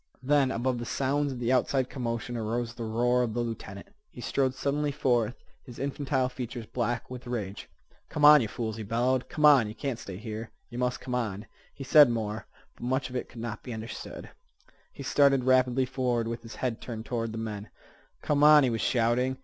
Then, above the sounds of the outside commotion, arose the roar of the lieutenant. He strode suddenly forth, his infantile features black with rage. "Come on, yeh fools!" he bellowed. "Come on! Yeh can't stay here. Yeh must come on." He said more, but much of it could not be understood. He started rapidly forward, with his head turned toward the men, "Come on," he was shouting.